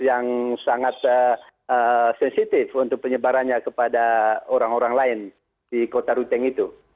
yang sangat sensitif untuk penyebarannya kepada orang orang lain di kota ruteng itu